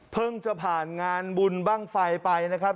จะผ่านงานบุญบ้างไฟไปนะครับ